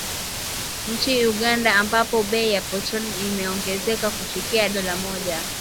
Nchini Uganda, ambapo bei ya petroli imeongezeka kufikia dola moja